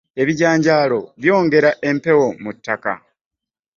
Ebijanjaalo byongera empewo mu ttaka.